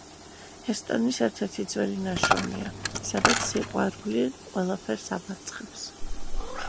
ჰესტონის ერთ-ერთი ძველი ნაშრომია, სადაც სიყვარული ყველაფერს ამარცხებს.